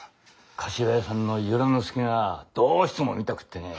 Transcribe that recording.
柏屋さんの由良之助がどうしても見たくてねえ。